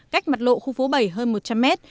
cách mặt lộ khu phố bảy hơn một trăm linh mét